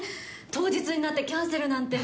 当日になってキャンセルなんて。